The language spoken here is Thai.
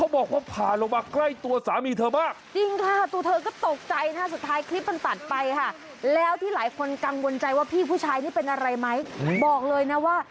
บอกเลยนะว่าไม่ได้รับบาดเจ็บอะไรเลย